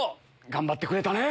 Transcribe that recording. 頑張ってくれたね！